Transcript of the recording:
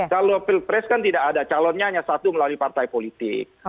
kalau pilpres kan tidak ada calonnya hanya satu melalui partai politik